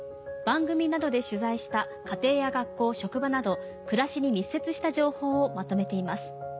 番組などで取材した家庭や学校職場など暮らしに密接した情報をまとめています。